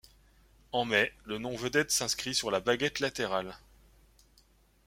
En mai, le nom Vedette s'inscrit sur la baguette latérale.